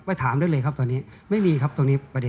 ถามได้เลยครับตอนนี้ไม่มีครับตรงนี้ประเด็น